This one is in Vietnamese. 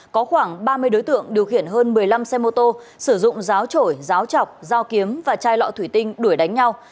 có khoảng ba mươi đối tượng điều khiển hơn một mươi năm xe mô tô sử dụng giáo trổi ráo chọc dao kiếm và chai lọ thủy tinh đuổi đánh nhau